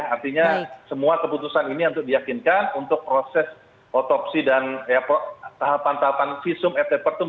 artinya semua keputusan ini untuk diakinkan untuk proses otopsi dan tahapan tahapan visum etepertum